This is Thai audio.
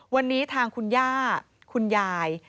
วันนี้ทางคุณย่าคุณยาย